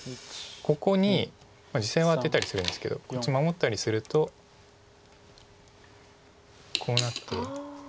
ここに実際はアテたりするんですけどこっち守ったりするとこうなって。